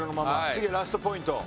次ラストポイント。